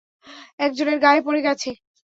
একজনের গায়ে পড়ে গেছে।